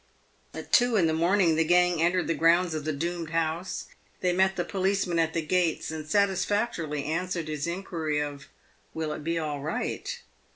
At two in the morning, the gang entered the grounds of the doomed house. They met the policeman at the gates, and satisfactorily an swered his inquiry of " will it be all right?"